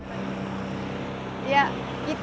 nah ini bagaimana